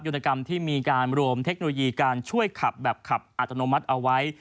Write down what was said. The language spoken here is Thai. ตกรรมที่มีการรวมเทคโนโลยีการช่วยขับแบบขับอัตโนมัติเอาไว้